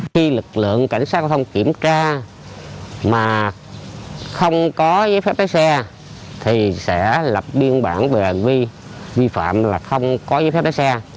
khi lực lượng cảnh sát giao thông kiểm tra mà không có giấy phép lấy xe thì sẽ lập biên bản về vi phạm là không có giấy phép lấy xe